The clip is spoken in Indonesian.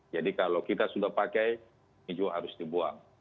jadi kalau kita sudah pakai ini juga harus dibuang